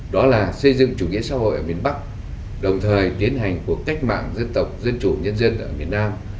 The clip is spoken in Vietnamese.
đó là xây dựng chủ nghĩa xã hội ở miền bắc đồng thời tiến hành cuộc cách mạng dân tộc dân chủ nhân dân ở miền nam